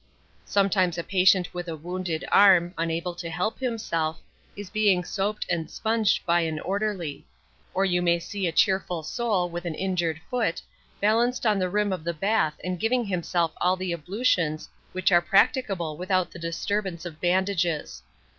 Sometimes a patient with a wounded arm, unable to help himself, is being soaped and sponged by an orderly; or you may see a cheerful soul, with an injured foot, balanced on the rim of the bath and giving himself all the ablutions which are practicable without the disturbance of bandages.